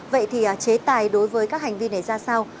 vậy thì chế tài đối với các hành vi này ra sao